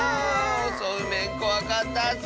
おそうめんこわかったッス！